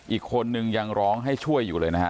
อีกคนนึงยังร้องให้ช่วยอยู่เลยนะฮะ